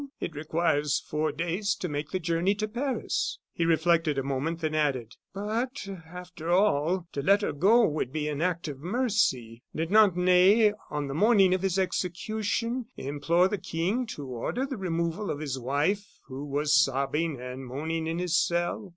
"It requires four days to make the journey to Paris." He reflected a moment, then added: "But, after all, to let her go would be an act of mercy. Did not Ney, on the morning of his execution, implore the King to order the removal of his wife who was sobbing and moaning in his cell?"